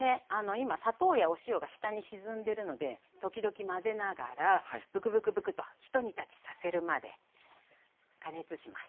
今砂糖やお塩が下に沈んでるので時々混ぜながらブクブクブクとひと煮立ちさせるまで加熱します。